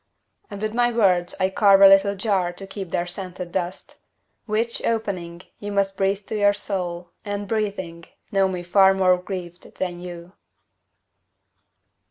And with my words I carve a little jar To keep their scented dust, Which, opening, you must Breathe to your soul, and, breathing, know me far More grieved than you.